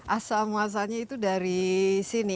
asal muasalnya itu dari sini